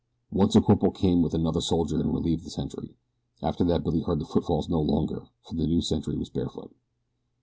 Once a corporal came with another soldier and relieved the sentry. After that Billy heard the footfalls no longer, for the new sentry was barefoot.